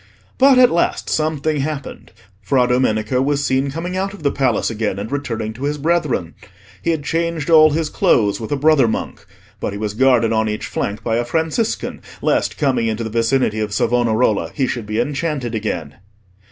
But at last something happened: Fra Domenico was seen coming out of the Palace again, and returning to his brethren. He had changed all his clothes with a brother monk, but he was guarded on each flank by a Franciscan, lest coming into the vicinity of Savonarola he should be enchanted again.